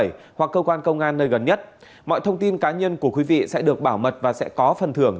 hoặc cơ quan công an nơi gần nhất mọi thông tin cá nhân của quý vị sẽ được bảo mật và sẽ có phần thưởng